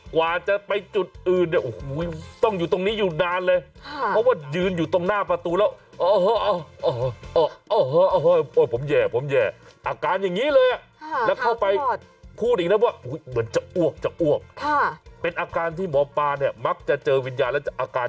กว่าจะไปจุดอื่นเนี่ยโอ้โหต้องอยู่ตรงนี้อยู่นานเลยค่ะ